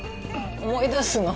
思い出すの？